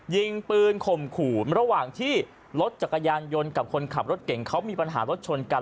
ยิงปืนข่มขู่ระหว่างที่รถจักรยานยนต์กับคนขับรถเก่งเขามีปัญหารถชนกัน